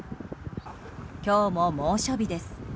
今日も猛暑日です。